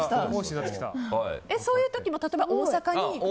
そういう時も例えば、大阪に行く時は？